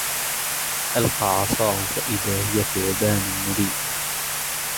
فَأَلْقَى عَصَاهُ فَإِذَا هِيَ ثُعْبَانٌ مُبِينٌ